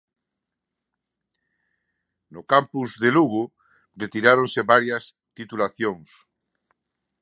No Campus de Lugo retiráronse varias titulacións.